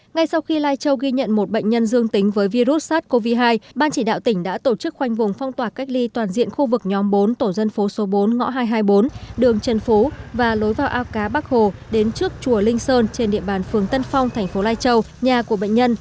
ngay sau khi lai châu ghi nhận một bệnh nhân dương tính với virus sars cov hai ban chỉ đạo tỉnh đã tổ chức khoanh vùng phong tỏa cách ly toàn diện khu vực nhóm bốn tổ dân phố số bốn ngõ hai trăm hai mươi bốn đường trần phú và lối vào ao cá bắc hồ đến trước chùa linh sơn trên địa bàn phường tân phong thành phố lai châu nhà của bệnh nhân